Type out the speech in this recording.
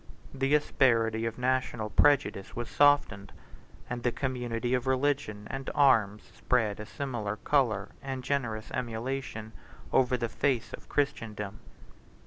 The asperity of national prejudice was softened; and the community of religion and arms spread a similar color and generous emulation over the face of Christendom.